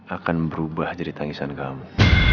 akan berubah jadi tangisan kami